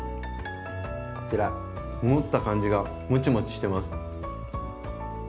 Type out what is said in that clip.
こちら持った感じがモチモチしてます。